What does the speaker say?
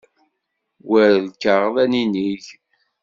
War lkaɣeḍ ad ninig.